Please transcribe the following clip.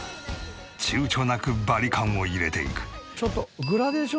躊躇なくバリカンを入れていく。